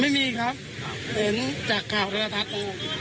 ไม่มีครับเห็นจากข่าวสดทัศน์